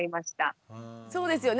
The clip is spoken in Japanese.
そうですよね。